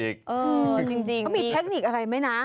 จริงเขามีเทคนิคอะไรไหมนะ